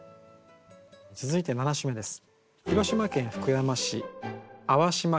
続いて７首目です。